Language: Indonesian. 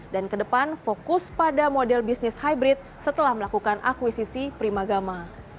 dan kedepan fokus pada model bisnis hybrid setelah melakukan akuisisi primagama